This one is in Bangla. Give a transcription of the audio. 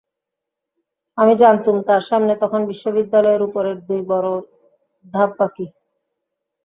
আমি জানতুম তাঁর সামনে তখন বিশ্ববিদ্যালয়ের উপরের দুই বড়ো ধাপ বাকি।